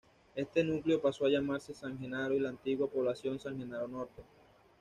Este núcleo pasó a llamarse San Genaro y la antigua población San Genaro Norte.